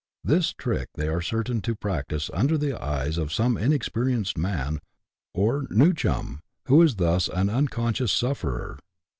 This trick they are certain to practise when under the eyes of some inexperienced man, or " new chum," who is thus an unconscious sufferer.